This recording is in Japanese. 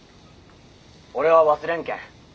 俺は忘れんけん。